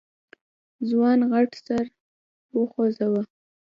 ځوان غټ سر وخوځوه.